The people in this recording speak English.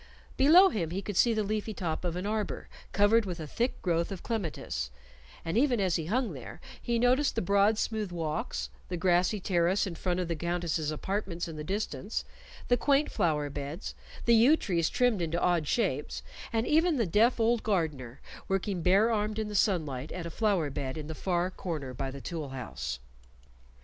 Below him he could see the leafy top of an arbor covered with a thick growth of clematis, and even as he hung there he noticed the broad smooth walks, the grassy terrace in front of the Countess's apartments in the distance, the quaint flower beds, the yew trees trimmed into odd shapes, and even the deaf old gardener working bare armed in the sunlight at a flower bed in the far corner by the tool house.